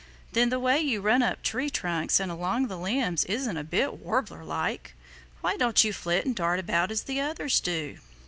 Then the way you run up tree trunks and along the limbs isn't a bit Warbler like. Why don't you flit and dart about as the others do?"